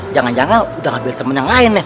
jangan jangan udah ngambil temen yang lain